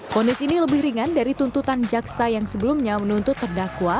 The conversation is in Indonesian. fonis ini lebih ringan dari tuntutan jaksa yang sebelumnya menuntut terdakwa